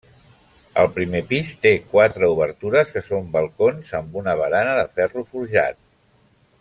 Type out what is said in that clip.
El primer pis té quatre obertures que són balcons amb una barana de ferro forjat.